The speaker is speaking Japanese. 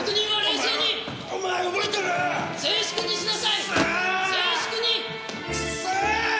静粛に！